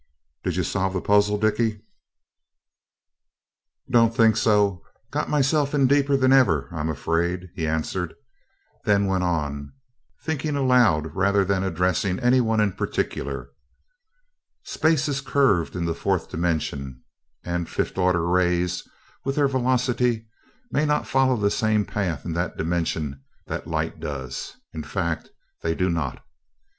"Did you solve the puzzle, Dickie?" "Don't think so got myself in deeper than ever, I'm afraid," he answered, then went on, thinking aloud rather than addressing any one in particular: "Space is curved in the fourth dimension, and fifth order rays, with their velocity, may not follow the same path in that dimension that light does in fact, they do not.